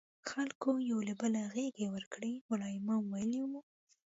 خلکو یو له بله غېږې ورکړې، ملا امام ویلي وو.